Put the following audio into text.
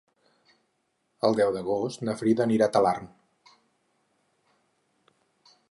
El deu d'agost na Frida anirà a Talarn.